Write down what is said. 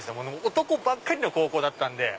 男ばっかりの高校だったんで。